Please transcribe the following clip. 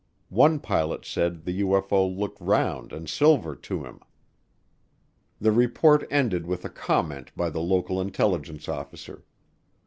One pilot said the UFO looked round and silver to him. The report ended with a comment by the local intelligence officer.